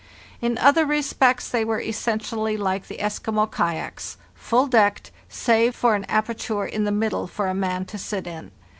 In other respects they were essentially like the Eskimo kayaks, full decked, save for an aperture in the middle for a man to sit in.